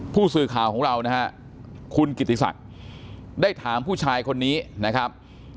ผู้สื่อข่าวของเรานะฮะคุณกิติศักดิ์ได้ถามผู้ชายคนนี้นะครับ